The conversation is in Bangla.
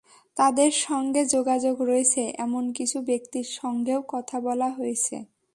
তাঁদের সঙ্গে যোগাযোগ রয়েছে এমন কিছু ব্যক্তির সঙ্গেও কথা বলা হয়েছে।